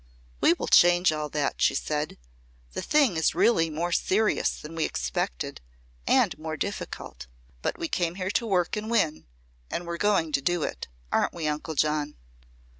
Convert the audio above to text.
"We will change all that," she said. "The thing is really more serious than we expected, and more difficult. But we came here to work and win, and we're going to do it. Aren't we, Uncle John?"